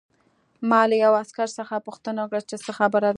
ما له یوه عسکر څخه پوښتنه وکړه چې څه خبره ده